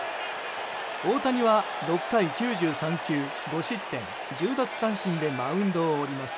大谷は６回９３球５失点１０奪三振でマウンドを降ります。